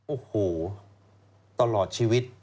โอ้โหตลอดชีวิต